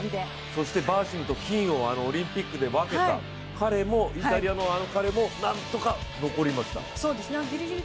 そしてバーシムと金をオリンピックでかけたイタリアのあの彼もなんとか残りました。